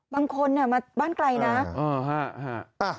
บางคนมาบ้านไกลนะ